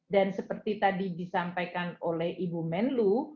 dan seperti tadi disampaikan oleh ibu menlu